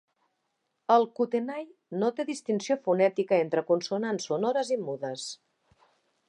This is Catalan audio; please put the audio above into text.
El Kutenai no té distinció fonètica entre consonants sonores i mudes.